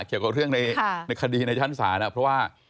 เกี่ยวกับเรื่องในคดีในชั้นศาลเพราะว่า